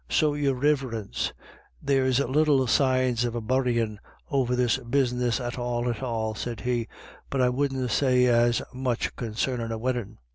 " So, your Riverence, there's little signs of a buryin' over this business at all, at all," said he, " but I wouldn't say as much consarnin' a weddin'.